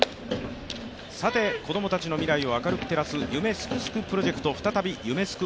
こどもたちの未来を明るく照らす夢すくすくプロジェクト再び、夢すく